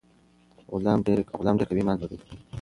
غلام ډیر قوي ایمان درلود.